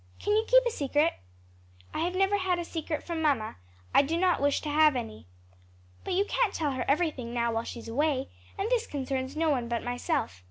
Can you keep a secret?" "I have never had a secret from mamma; I do not wish to have any." "But you can't tell her everything now while she's away, and this concerns no one but myself.